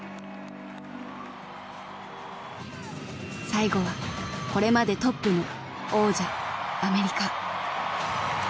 最後はこれまでトップの王者アメリカ。